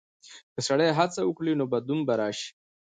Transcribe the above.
که سړی هڅه وکړي، نو بدلون به راشي.